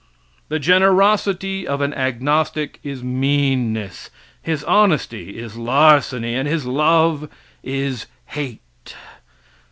The generosity of an agnostic is meanness, his honesty is larceny and his love is hate.